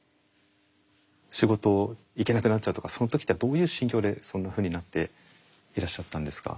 仕事行けなくなっちゃったとかその時ってどういう心境でそんなふうになっていらっしゃったんですか？